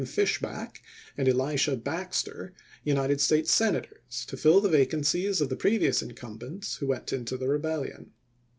Fishback and Elisha Baxter United States Senators, to fill the vacancies of the previous in cumbents, who went into the Rebellion.